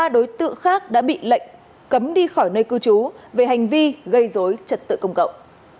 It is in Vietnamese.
ba đối tượng khác đã bị lệnh cấm đi khỏi nơi cư trú về hành vi gây dối trật tự công cộng